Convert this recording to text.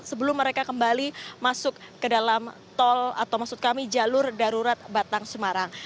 sebelum mereka kembali masuk ke dalam tol atau maksud kami jalur darurat batang semarang